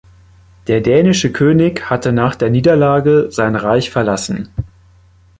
Der dänische König hatte nach der Niederlage sein Reich verlassen.